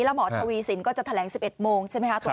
แล้วหมอทวีสินก็จะแถลง๑๑โมงใช่ไหมคะ